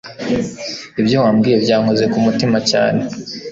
Ibyo wambwiye byankoze ku mutima cyane.